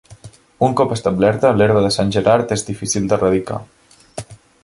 Un cop establerta, l'herba de Sant Gerard és difícil d'eradicar.